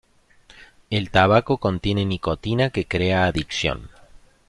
El tabaco contiene nicotina que crea adicción.